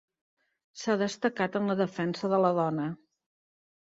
S'ha destacat en la defensa de la dona.